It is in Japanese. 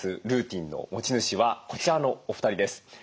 ルーティンの持ち主はこちらのお二人です。